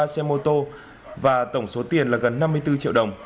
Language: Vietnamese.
một mươi ba xe mô tô và tổng số tiền là gần năm mươi bốn triệu đồng